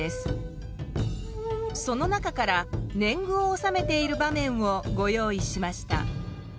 その中から年貢を納めている場面をご用意しました。